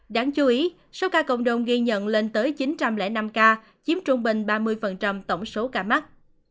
đáng chú ý số ca cộng đồng ghi nhận lên tới chín trăm linh năm ca chiếm trung bình ba mươi tổng số ca mắc